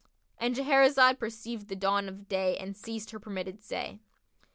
"—And Shahrazad perceived the dawn of day and ceased saying her permitted say.